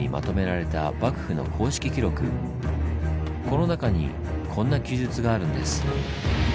この中にこんな記述があるんです。